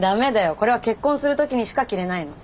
これは結婚する時にしか着れないの。